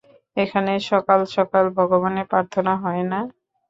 এখানে সকাল সকাল ভগবানের পার্থনা হয় না।